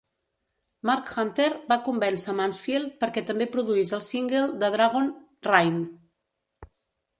Marc Hunter va convèncer Mansfield perquè també produís el single de Dragon "Rain".